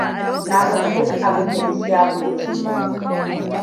Na gama duk abinda Ishaku ya ce na yi.